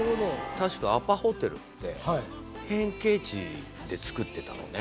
確かアパホテルって変形地で作ってたのね。